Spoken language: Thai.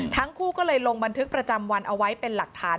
ทั้งคู่ก็เลยลงบันทึกประจำวันเอาไว้เป็นหลักฐาน